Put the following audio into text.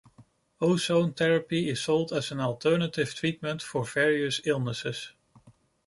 Ozone therapy is sold as an alternative treatment for various illnesses.